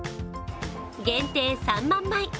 限定３万枚。